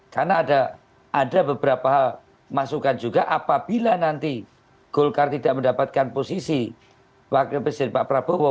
karena ada beberapa masukan juga apabila nanti golkar tidak mendapatkan posisi wakil presiden pak prabowo